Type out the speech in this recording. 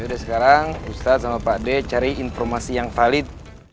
udah sekarang ustadz sama pak d cari informasi yang valid